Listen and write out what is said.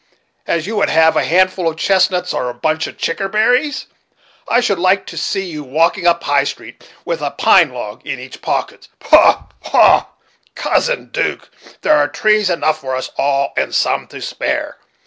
as you would a handful of chestnuts, or a bunch of chicker berries? I should like to see you walking up High Street, with a pine log in each pocket! Poh! poh! Cousin 'Duke, there are trees enough for us all, and some to spare.